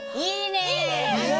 いいね！